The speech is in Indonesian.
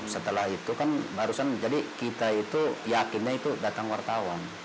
setelah itu kan barusan jadi kita itu yakinnya itu datang wartawan